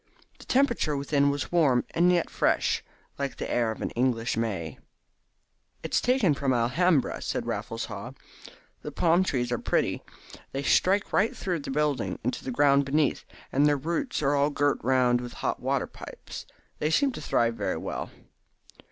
The temperature within was warm and yet fresh, like the air of an English May. "It's taken from the Alhambra," said Raffles Haw. "The palm trees are pretty. They strike right through the building into the ground beneath, and their roots are all girt round with hot water pipes. They seem to thrive very well."